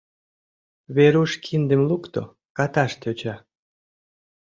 Веруш киндым лукто, каташ тӧча.